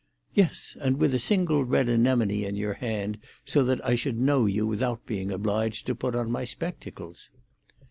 "Yes, and with a single red anemone in your hand, so that I should know you without being obliged to put on my spectacles."